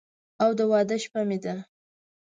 او د واده شپه مې ده